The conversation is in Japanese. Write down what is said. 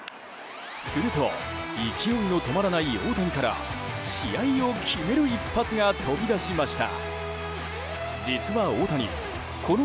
すると勢いの止まらない大谷から試合を決める一発が飛び出しました。